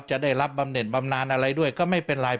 จะได้รับบำเน็ตบำนานอะไรด้วยก็ไม่เป็นไร